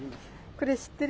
これ知ってる？